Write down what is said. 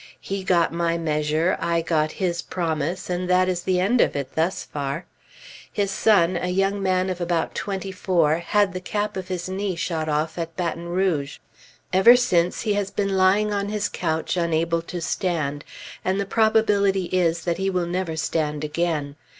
He got my measure, I got his promise, and that is the end of it, thus far. His son, a young man of about twenty four, had the cap of his knee shot off at Baton Rouge. Ever since he has been lying on his couch, unable to stand; and the probability is that he will never stand again.